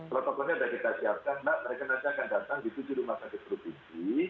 protokolnya sudah kita siapkan mbak mereka nanti akan datang di tujuh rumah sakit provinsi